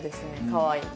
かわいい。